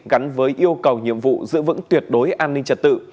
gắn với yêu cầu nhiệm vụ giữ vững tuyệt đối an ninh trật tự